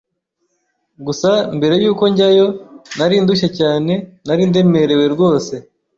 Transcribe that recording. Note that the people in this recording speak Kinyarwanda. gusa mbere yuko njyayo nari ndushye cyane nari ndemerewe rwose